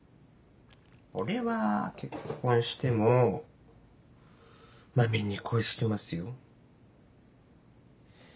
俺は結婚してもまみんに恋してますよ。